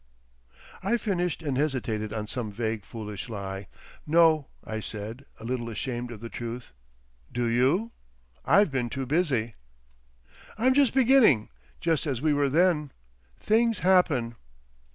I finished and hesitated on some vague foolish lie, "No," I said, a little ashamed of the truth. "Do you? I've been too busy." "I'm just beginning—just as we were then. Things happen."